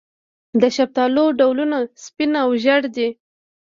د شفتالو ډولونه سپین او ژیړ دي.